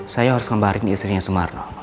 saya harus kembali di istrinya sumarno